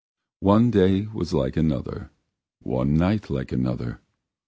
One day was like another, one night like another.